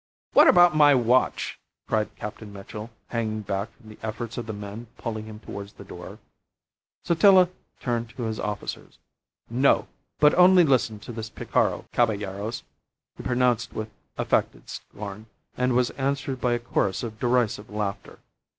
"What about my watch?" cried Captain Mitchell, hanging back from the efforts of the men pulling him towards the door. Sotillo turned to his officers. "No! But only listen to this picaro, caballeros," he pronounced with affected scorn, and was answered by a chorus of derisive laughter.